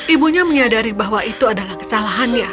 ibunya menyadari bahwa itu adalah kesalahannya